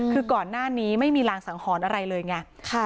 คือก่อนหน้านี้ไม่มีรางสังหรณ์อะไรเลยไง